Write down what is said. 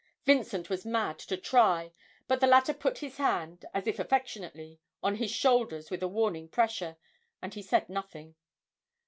Vincent was mad to try. But the latter put his hand, as if affectionately, on his shoulder with a warning pressure, and he said nothing.